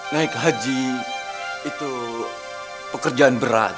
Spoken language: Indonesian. naik haji itu pekerjaan berat